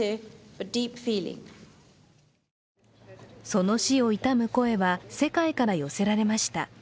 その死を悼む声は世界から寄せられました。